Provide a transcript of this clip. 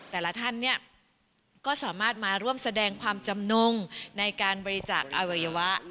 แต่ละท่านเนี่ยก็สามารถมาร่วมแสดงความจำนงในการบริจาคอวัยวะ